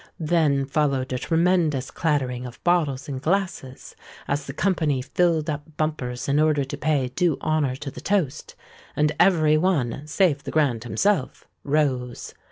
Then followed a tremendous clattering of bottles and glasses as the company filled up bumpers in order to pay due honour to the toast; and every one, save the Grand himself, rose.